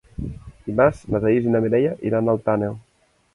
Dimarts na Thaís i na Mireia iran a Alt Àneu.